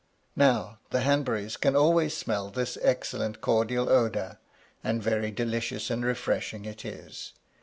Now the Hanburys can always smell this excellent cordial odour, and very delicious and refreshing it is.